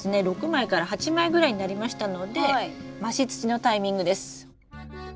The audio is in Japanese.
６枚から８枚ぐらいになりましたので増し土のタイミングです。